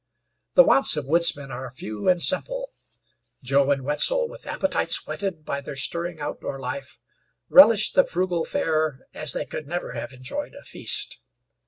The wants of woodsmen are few and simple. Joe and Wetzel, with appetites whetted by their stirring outdoor life, relished the frugal fare as they could never have enjoyed a feast.